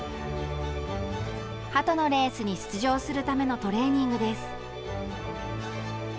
ハトのレースに出場するためのトレーニングです。